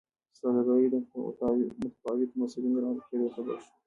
سوداګري د متفاوتو مسیرونو د رامنځته کېدو سبب شوه.